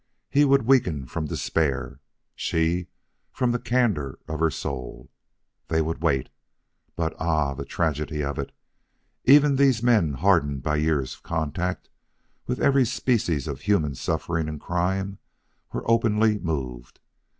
He would weaken from despair, she from the candor of her soul. They would wait. But ah, the tragedy of it! Even these men hardened by years of contact with every species of human suffering and crime were openly moved.